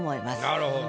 なるほど。